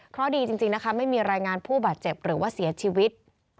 เพราะดีจริงนะคะไม่มีรายงานผู้บาดเจ็บหรือว่าเสียชีวิต